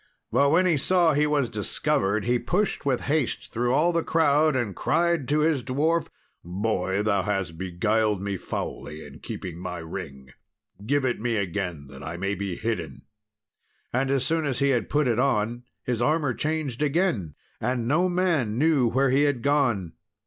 But when he saw he was discovered, he pushed with haste through all the crowd, and cried to his dwarf, Boy, thou hast beguiled me foully in keeping my ring; give it me again, that I may be hidden." And as soon as he had put it on, his armour changed again, and no man knew where he had gone.